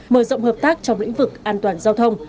mở rộng hợp tác trong lĩnh vực an toàn giao thông